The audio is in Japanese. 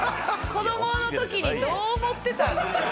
子供の時にどう思ってたん？